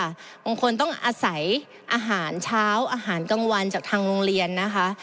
บางคนต้องอาศัยอาหารเช้าอาหารกลางวันจากทางโรงเรียนนะคะ